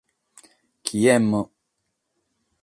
Chi emmo.